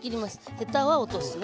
ヘタは落とすね。